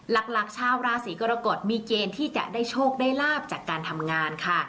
หลักชาวราศีกรกฎมีเกณฑ์ที่จะได้โชคได้ลาบจากการทำงานค่ะ